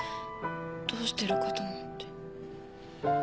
どうしてるかと思って。